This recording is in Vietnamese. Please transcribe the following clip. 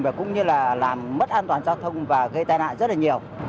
và cũng như là làm mất an toàn giao thông và gây tai nạn rất là nhiều